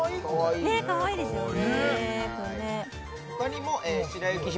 これもかわいいですよね